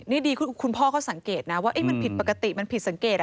นี่ดีคุณพ่อเขาสังเกตนะว่ามันผิดปกติมันผิดสังเกต